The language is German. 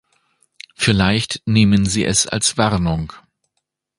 Vielleicht nehmen Sie es als Warnung.